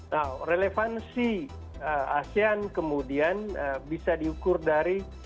nah relevansi asean kemudian bisa diukur dari